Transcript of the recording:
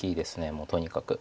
もうとにかく。